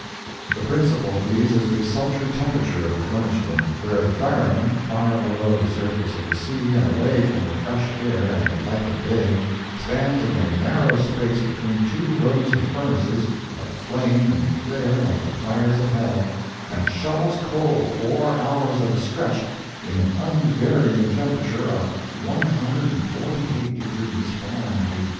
The principal of these is the sultry temperature of the furnace room, where the fireman, far below the surface of the sea and away from the fresh air and the light of day, stands in a narrow space between two rows of furnaces that flame and glare like the fires of hell, and shovels coal four hours at a stretch in an unvarying temperature of 148 degrees Fahrenheit!